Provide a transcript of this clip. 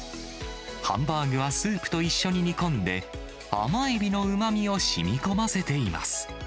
ハンバーグはスープと一緒に煮込んで、甘エビのうまみをしみこませています。